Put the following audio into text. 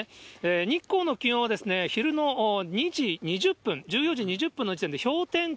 日光の気温は昼の２時２０分、１４時２０分の時点で氷点下